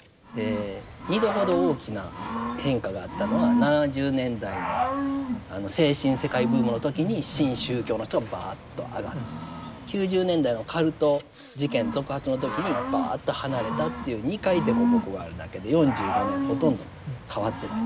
二度ほど大きな変化があったのは７０年代のあの精神世界ブームの時に新宗教の人がバーッと上がって９０年代のカルト事件続発の時にバーッと離れたという２回凸凹があるだけで４５年ほとんど変わってないんですね。